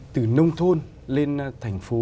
từ nông thôn lên thành phố